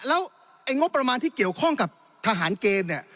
แล้วไอ้งบประมาณที่เกี่ยวข้องกับทหารเกณฑ์เนี่ย